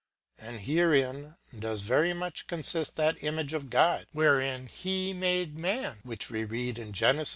And herein does very much consist that image of God wherein he made man (which we read of, Gen. i.